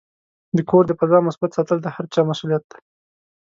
د کور د فضا مثبت ساتل د هر چا مسؤلیت دی.